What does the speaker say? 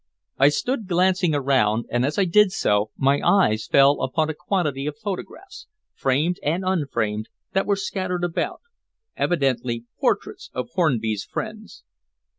I stood glancing around, and as I did so my eyes fell upon a quantity of photographs, framed and unframed, that were scattered about evidently portraits of Hornby's friends.